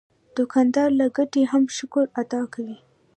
دوکاندار له ګټې هم شکر ادا کوي.